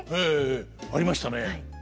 ええありましたね。